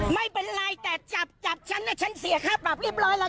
ไม่เป็นไรแต่จับฉันนะฉันเสียฆ่าปับเรียบร้อยแหละ